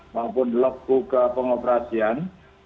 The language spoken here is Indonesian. maupun logbook perawatan